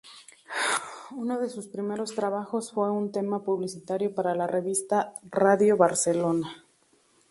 Uno de sus primeros trabajos fue un tema publicitario para la revista "Radio Barcelona".